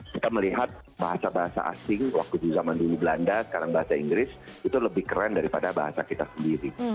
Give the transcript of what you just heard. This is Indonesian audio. kita melihat bahasa bahasa asing waktu di zaman dulu belanda sekarang bahasa inggris itu lebih keren daripada bahasa kita sendiri